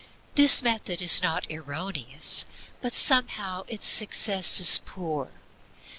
This method is not erroneous, only somehow its success is poor.